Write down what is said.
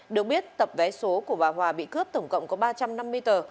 được biết tập vé số của bà hòa bị cướp tổng cộng có ba trăm năm mươi tờ